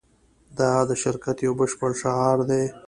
دا د شرکت یو بشپړ شعار دی